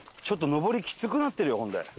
ちょっと上りきつくなってるよほんで。